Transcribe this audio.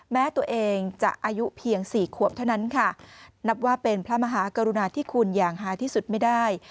แม้ตัวเองจะอายุเพียงสี่ขวบเท่านั้นค่ะนับว่าเป็นพระมหากรุณาที่คุณอย่างหาที่สุดไม่ได้